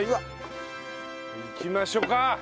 いきましょうか！